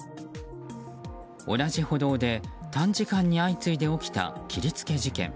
同じ歩道で短時間に相次いで起きた切りつけ事件。